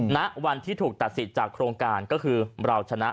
ณวันที่ถูกตัดสิทธิ์จากโครงการก็คือเราชนะ